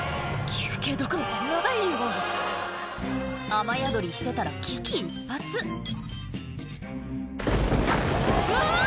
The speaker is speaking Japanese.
休憩どころじゃないわ雨宿りしてたら危機一髪うわ！